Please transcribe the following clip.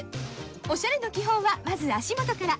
オシャレの基本はまず足元から。